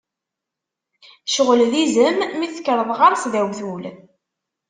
Ccɣel d izem, mi tekkreḍ ɣer-s d awtul.